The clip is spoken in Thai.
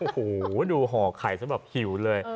โอ้โหดูห่อไข่ซะแบบหิวเลย